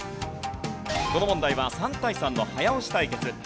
この問題は３対３の早押し対決。